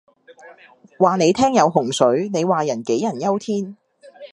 話你聽有洪水，你話人杞人憂天